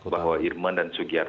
bahwa irman dan sugihara